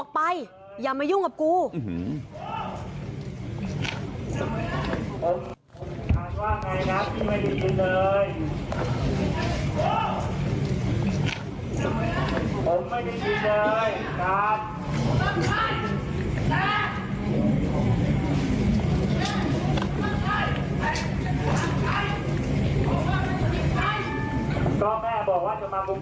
ก็แม่บอกว่าจะมาบุกเลี่ยมอ่ะครับ